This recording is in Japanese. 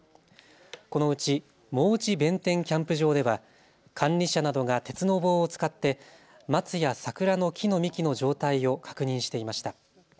このうち望地弁天キャンプ場では管理者などが鉄の棒を使って松や桜の木の幹の状態を確認していました。